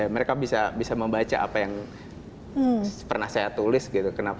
mereka bisa membaca apa yang pernah saya tulis gitu